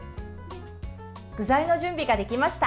具材の準備ができました。